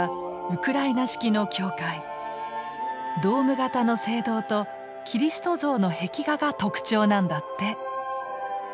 ドーム形の聖堂とキリスト像の壁画が特徴なんだって。